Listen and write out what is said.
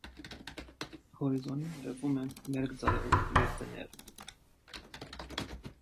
Հորիզոնին երևում են մերկ ծառեր և տներ։